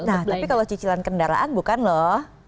nah tapi kalau cicilan kendaraan bukan loh